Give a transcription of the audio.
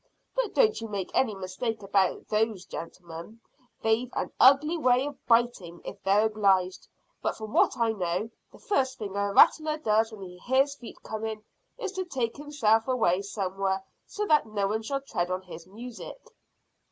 But don't you make any mistake about those gentlemen; they've an ugly way of biting if they're obliged, but from what I know, the first thing a rattler does when he hears feet coming is to take himself away somewhere so that no one shall tread on his music."